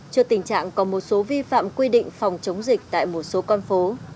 trước tình trạng có một số vi phạm quy định phòng chống dịch tại một số con phố